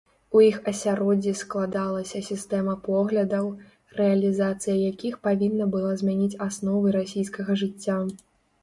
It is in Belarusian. У іх асяроддзі складалася сістэма поглядаў, рэалізацыя якіх павінна была змяніць асновы расійскага жыцця.